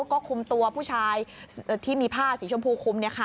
ก็คุมตัวผู้ชายที่มีผ้าสีชมพูคุม